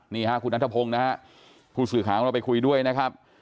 นี่ฮะคุณนัทพงศ์นะฮะผู้สื่อข่าวของเราไปคุยด้วยนะครับ